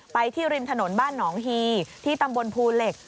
ที่ริมถนนบ้านหนองฮีที่ตำบลภูเหล็ก